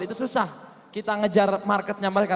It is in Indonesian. itu susah kita ngejar marketnya mereka